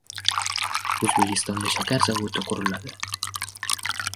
O‘zbekistonda shakar zavodi quriladi